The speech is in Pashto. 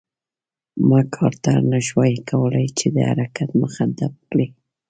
مک ارتر نه شوای کولای چې د حرکت مخه ډپ کړي.